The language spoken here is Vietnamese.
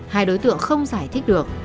hai đối tượng không giải thích được